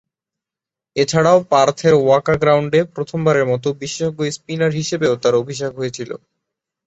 এছাড়াও পার্থের ওয়াকা গ্রাউন্ডে প্রথমবারের মতো বিশেষজ্ঞ স্পিনার হিসেবেও তার অভিষেক হয়েছিল।